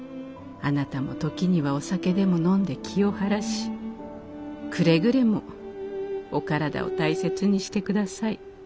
「あなたも時にはお酒でも飲んで気を晴らしくれぐれもお体を大切にしてください。